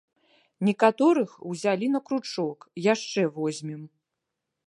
Некаторых узялі на кручок, яшчэ возьмем!